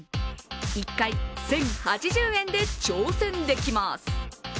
１回１０８０円で挑戦できます。